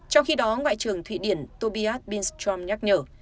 trong khi đó ngoại trưởng thụy điển tobiat binstrom nhắc nhở